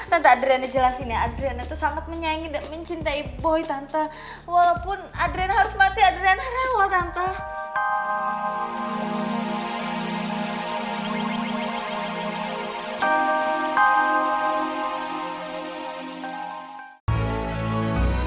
tante adriana jelasin ya adriana tuh sangat menyayangi dan mencintai boy tante walaupun adriana harus mati adriana rela tante